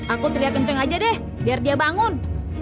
aku teriak kenceng aja deh biar dia bangun